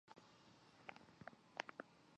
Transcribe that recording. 这期间学校的教学计划经历了多次改革。